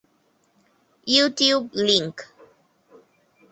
YouTube link